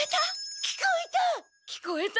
聞こえた！